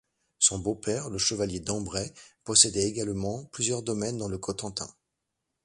Son beau-père, le chevalier Dambray, possédait également plusieurs domaines dans le Cotentin.